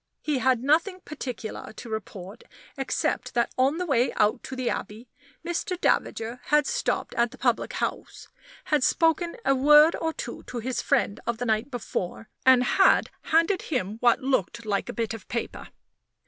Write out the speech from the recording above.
He had nothing particular to report except that on the way out to the Abbey Mr. Davager had stopped at the public house, had spoken a word or two to his friend of the night before, and had handed him what looked like a bit of paper.